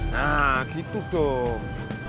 nah gitu dong